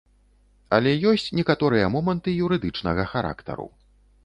Але ёсць некаторыя моманты юрыдычнага характару.